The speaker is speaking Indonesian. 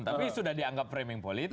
tapi sudah dianggap framing politik